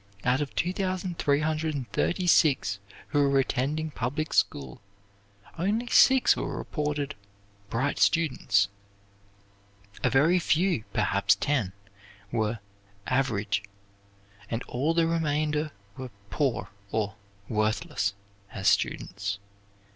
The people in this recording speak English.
Out of 2,336 who were attending public school, only six were reported 'bright students.' A very few, perhaps ten, were 'average,' and all the remainder were 'poor' or 'worthless' as students.